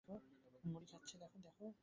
এখন, এখানে দেখো।